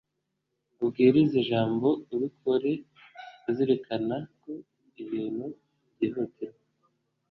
ubwirize ijambo ubikore uzirikana ko ibintu byihutirwa